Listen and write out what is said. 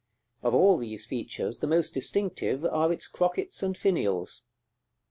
Of all these features the most distinctive are its crockets and finials. § XIV.